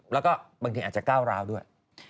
แล้วก็บางทีอาจจะก้าวร้าวด้วย